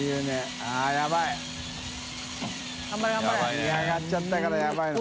日上がっちゃったからやばいよ。